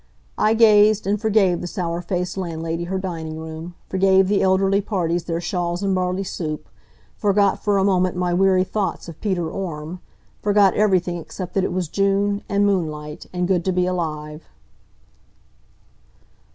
I gazed and forgave the sour faced landlady her dining room; forgave the elderly parties their shawls and barley soup; forgot for a moment my weary thoughts of Peter Orme; forgot everything except that it was June, and moonlight and good to be alive.